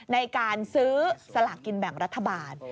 ในการซื้อสลากกินแบ่งรัฐบาล